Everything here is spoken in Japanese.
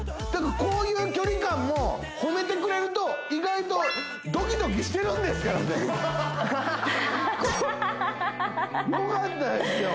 こういう距離感も褒めてくれると意外とドキドキしてるんですからねよかったですよ